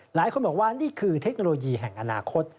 หลายคนบอกว่านี่คือเทคโนโลยีแห่งอนาคต